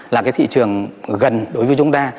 là cái thị trường gần đối với chúng ta